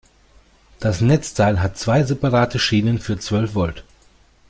Das Netzteil hat zwei separate Schienen für zwölf Volt.